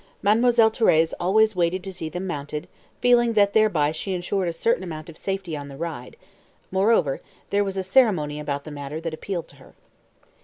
Mademoiselle Thérèse always waited to see them mounted, feeling that thereby she ensured a certain amount of safety on the ride; moreover, there was a ceremony about the matter that appealed to her.